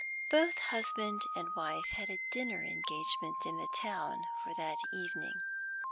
Both husband and wife had a dinner engagement in the town for that evening.